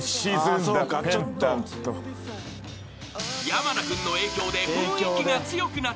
［山名君の影響で］